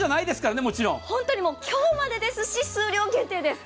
今日までですし、数量限定です。